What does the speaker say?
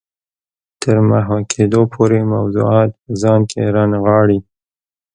تر محوه کېدو پورې موضوعات په ځان کې رانغاړي.